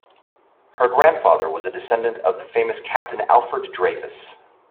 Her grandfather was a descendant of the famous Captain Alfred Dreyfus.